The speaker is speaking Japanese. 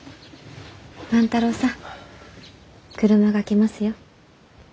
万太郎さん車が来ますよ。